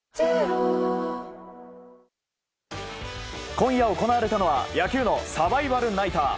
今夜行われたのは野球脳サバイバルナイター。